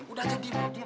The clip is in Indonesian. sudah jauh diam